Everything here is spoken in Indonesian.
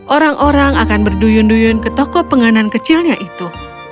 orang orang akan berduyun duyun ke toko penganan kecilnya itu